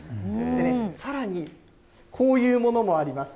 さらにこういうものもあります。